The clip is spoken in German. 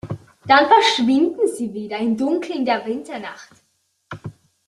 Dann verschwinden sie wieder im Dunkel der Winternacht.